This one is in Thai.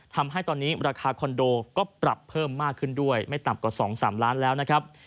ทำให้ตอนนี้ราคาคอนโดก็ปรับเพิ่มมากขึ้นด้วยไม่ต่ำกว่า๒๓ล้านแล้วนะครับ